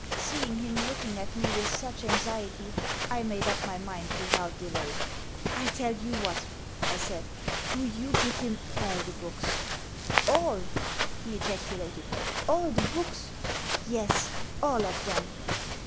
Seeing him looking at me with such anxiety, I made up my mind without delay. "I tell you what," I said. "Do you give him all the books." "ALL?" he ejaculated. "ALL the books?" "Yes, all of them."